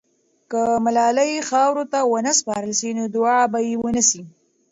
که ملالۍ خاورو ته ونه سپارل سي، نو دعا به یې ونسي.